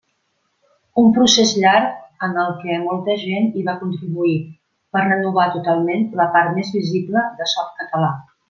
Un procés llarg, en el que molta gent hi va contribuir, per renovar totalment la part més visible de Softcatalà.